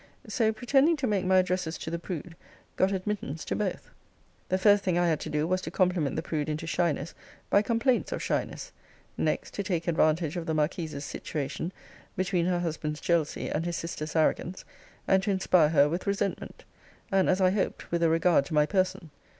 So, pretending to make my addresses to the prude, got admittance to both. 'The first thing I had to do, was to compliment the prude into shyness by complaints of shyness: next, to take advantage of the marquise's situation, between her husband's jealousy and his sister's arrogance; and to inspire her with resentment; and, as I hoped, with a regard to my person.